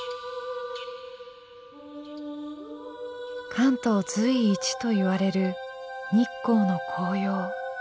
関東随一といわれる日光の紅葉。